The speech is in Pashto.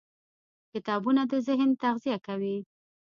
کتابونه د ذهن تغذیه کوي.